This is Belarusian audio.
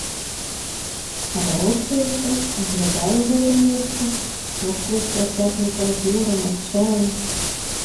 Абарочваюся, аглядаю гэта месца, наскрозь прасякнутае горам, адчаем.